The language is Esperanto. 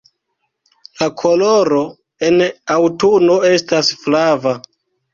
La koloro en aŭtuno estas flava.